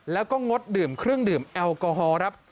แล้วก็งดดื่มเครื่องดื่มแอลกอฮอล์ครับ